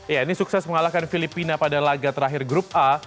ya ini sukses mengalahkan filipina pada laga terakhir grup a